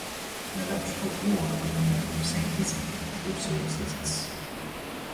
An electoral ward with the name of "Saint Issey" also exists.